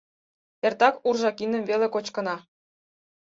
Эртак уржа киндым веле кочкына.